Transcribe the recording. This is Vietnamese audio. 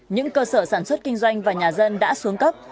những cơ sở sản xuất kinh doanh và nhà dân đã xuống cấp